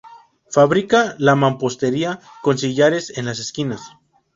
Fábrica de mampostería con sillares en las esquinas.